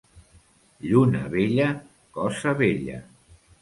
Lluna vella, cosa bella.